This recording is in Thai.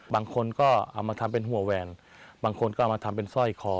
บางคนก็เอามาทำเป็นหัวแหวนบางคนก็เอามาทำเป็นสร้อยคอ